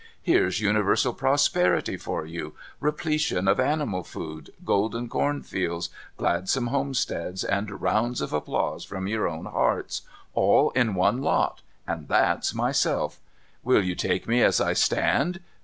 Here's uniwersal prosi)crity for you, repletion of animal food, golden cornfields, glad some homesteads, and rounds of api)lause from your own hearts, all in one lot, and that's myself, ^^'ill you take me as I stand